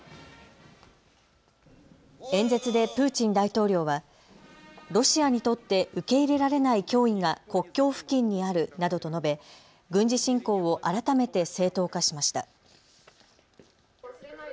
演説でプーチン大統領はロシアにとって受け入れられない脅威が国境付近にあるなどと述べ軍事侵攻を改めて正当化しました。